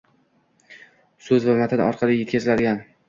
so‘z va matn orqali yetkaziladigan